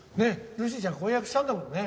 ルーシーちゃん婚約したんだもんね。